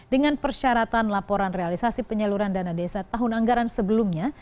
dengan persyaratan laporan realisasi penyaluran dana desa tahun anggaran sebelumnya